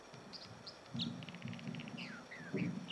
后其家移居台湾台北市。